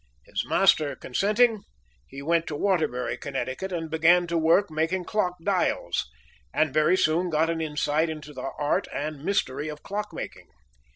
His master consenting, he went to Waterbury, Connecticut, and began to work making clock dials, and very soon got an insight into the art and mystery of clock making.